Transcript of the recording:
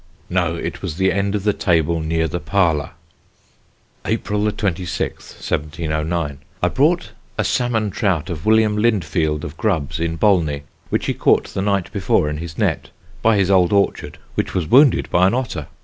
No, it was ye end of ye table next ye parlour. "April 26th, 1709. I bought a salmon trout of William Lindfield of Grubbs, in Bolney, which he caught ye night before in his net, by his old orchard, which was wounded by an otter.